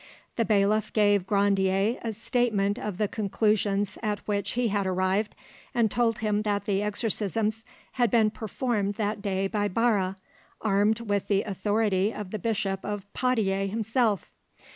The bailiff gave Grandier a statement of the conclusions at which he had arrived, and told him that the exorcisms had been performed that day by Barre, armed with the authority of the Bishop of Poitiers himself.